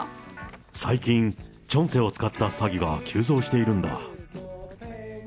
最近、チョンセを使った詐欺が急増しているんだ。